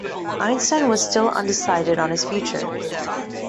Einstein was still undecided on his future.